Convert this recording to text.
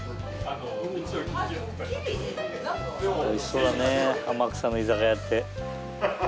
おいしそうだね天草の居酒屋って。